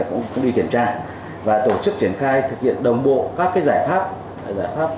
các công chí cũng đi kiểm tra và tổ chức triển khai thực hiện đồng bộ các giải pháp